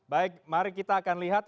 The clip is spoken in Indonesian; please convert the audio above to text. baik mari kita akan lihat